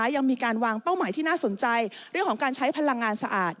ยังมีการวางเป้าหมายที่น่าสนใจเรื่องของการใช้พลังงานสะอาด